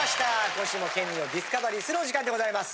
今週も県民をディスカバリーするお時間でございます。